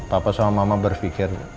papa sama mama berfikir